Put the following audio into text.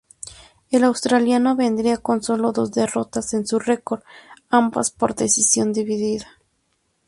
El australiano vendría con solo dos derrotas en su record, ambas por decisión dividida.